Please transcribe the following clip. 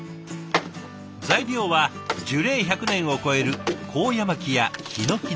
材料は樹齢１００年を超えるコウヤマキやヒノキなど。